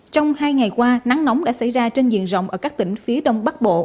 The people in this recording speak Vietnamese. trong hai ngày qua nắng nóng đã xảy ra trên diện rộng ở các tỉnh phía đông bắc bộ